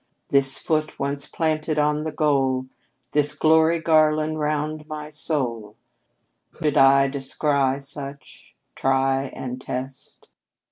This foot once planted on the goal, This glory garland round my soul, Could I descry such? Try and test?"